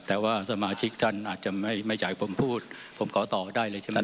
แต่ว่าสมาชิกท่านอาจจะไม่อยากให้ผมพูดผมขอต่อได้เลยใช่ไหม